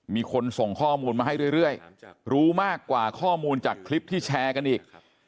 มีคนส่งข้อมูลมาให้เรื่อยรู้มากกว่าข้อมูลจากคลิปที่แชร์กันอีก